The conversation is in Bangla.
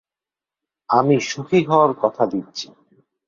আমি সুখী হওয়ার কথা দিচ্ছি।